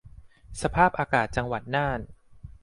สภาพอากาศจังหวัดน่าน